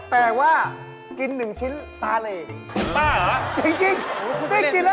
แต่ว่ากินหนึ่งชิ้นตาเหร่